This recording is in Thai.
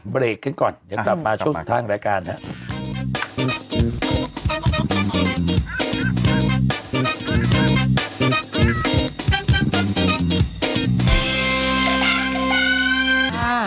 เพรกกันก่อนเดี๋ยวเรามาช่วงทางรายการนะ